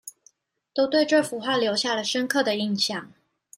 都對這幅畫留下了深刻的印象